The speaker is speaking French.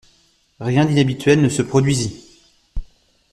Rien d’inhabituel ne se produisit.